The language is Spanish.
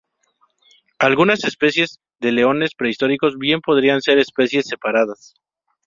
Algunas especies de leones prehistóricos bien podrían ser especies separadas.